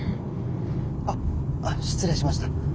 あっ失礼しました。